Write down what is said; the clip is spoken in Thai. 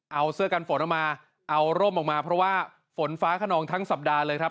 เอาเสื้อกันฝนออกมาเอาร่มออกมาเพราะว่าฝนฟ้าขนองทั้งสัปดาห์เลยครับ